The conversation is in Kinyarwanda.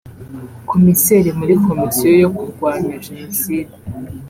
Komiseri muri Komisiyo yo kurwanya jenoside